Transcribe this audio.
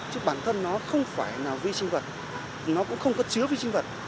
chứ bản thân nó không phải là vi sinh vật nó cũng không có chứa vi sinh vật